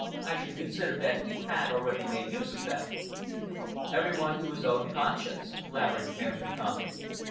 "I should consider that you had already made use of them." "Every one to his own conscience," Laverick answered calmly.